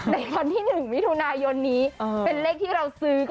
ในวันที่๑มิถุนายนนี้เป็นเลขที่เราซื้อ